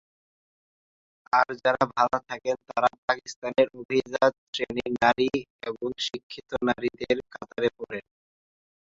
আর যারা ভালো থাকেন তারা পাকিস্তানের অভিজাত শ্রেণীর নারী এবং শিক্ষিত নারীদের কাতারে পড়েন।